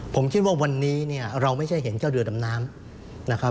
ผมคิดว่าวันนี้เราไม่ใช่เห็นเจ้าเรือดำน้ำ